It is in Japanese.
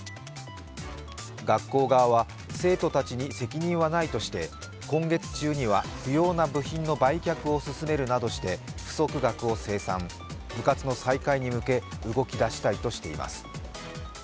学校側は生徒たちに責任はないとして今月中には不要な備品の売却を進めるなどして不足額を清算、部活の再開に向けて動き出したいとしています。